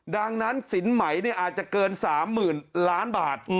ดังนั้นสินไหมเนี่ยอาจจะเกิน๓๐๐๐๐๐๐๐บาท